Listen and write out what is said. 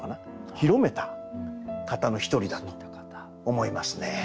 広めた方の一人だと思いますね。